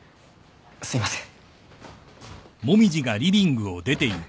すいません。